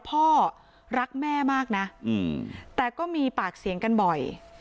พ่อรักแม่มากนะแต่ก็มีปากเสียงกันบ่อย